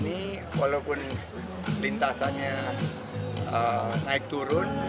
ini walaupun lintasannya naik turun